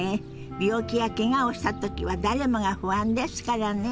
病気やけがをした時は誰もが不安ですからね。